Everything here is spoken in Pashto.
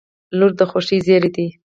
• لور د خوښۍ زېری دی.